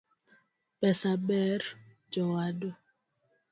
Pesa ber jowadu.